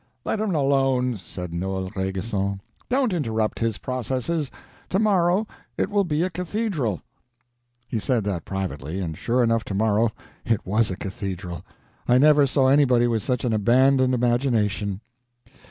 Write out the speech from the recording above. "Let him alone," said Noel Rainguesson. "Don't interrupt his processes. To morrow it will be a cathedral." He said that privately. And, sure enough, to morrow it was a cathedral. I never saw anybody with such an abandoned imagination.